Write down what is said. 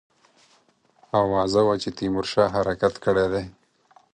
آوازه وه چې تیمورشاه حرکت کړی دی.